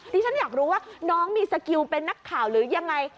ที่ฉันอยากรู้ว่าน้องมีสกิลเป็นนักข่าวหรือยังไง